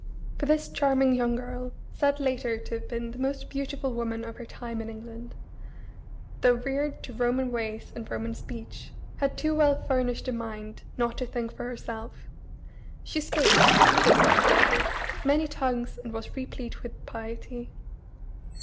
For this charming young girl said, later, to have been the most beautiful woman of her time in England though reared to Roman ways and Roman speech, had too well furnished a mind not to think for herself. "She spake," so says the record, "many tongues and was replete with piety."